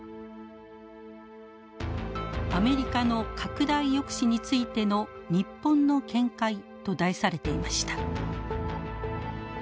「アメリカの拡大抑止についての日本の見解」と題されていました。